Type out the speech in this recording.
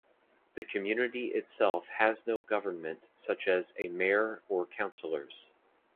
The community itself has no government such as a mayor or councillors.